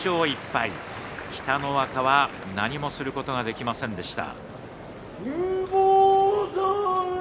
北の若は何もすることができませんでした。